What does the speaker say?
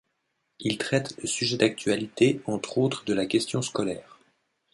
Il traite de sujets d’actualité, entre autres de la Question scolaire.